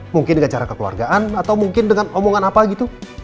mungkin dengan cara kekeluargaan atau mungkin dengan omongan apa gitu